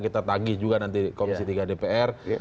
kita tagih juga nanti komisi tiga dpr